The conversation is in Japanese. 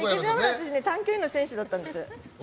私、短距離の選手だったんです。